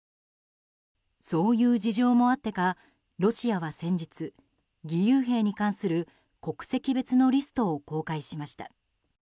そういう事情もあってかロシアは先日義勇兵に関する国籍別のリストを公開しました。